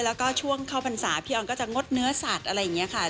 แล้วก็ช่วงเข้าพรรษาพี่ออนก็จะงดเนื้อสัตว์อะไรอย่างนี้ค่ะ